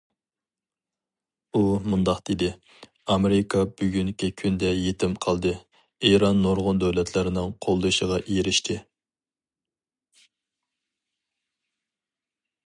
ئۇ مۇنداق دېدى: ئامېرىكا بۈگۈنكى كۈندە يېتىم قالدى، ئىران نۇرغۇن دۆلەتلەرنىڭ قوللىشىغا ئېرىشتى.